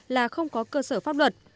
là không có cơ sở pháp luật